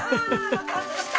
爆発した。